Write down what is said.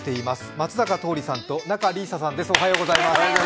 松坂桃李さんと仲里依紗さんです。